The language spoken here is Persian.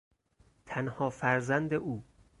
تنها فرزند او